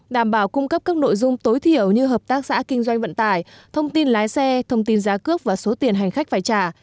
đảm bảo cung cấp các nội dung tối thiểu như hợp tác xã kinh doanh vận tải thông tin lái xe thông tin giá cước và số tiền hành khách phải trả